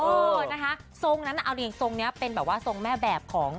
เออนะคะทรงนั้นเอาดิทรงนี้เป็นแบบว่าทรงแม่แบบของ